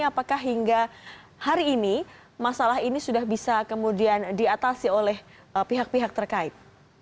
apakah hingga hari ini masalah ini sudah bisa kemudian diatasi oleh pihak pihak terkait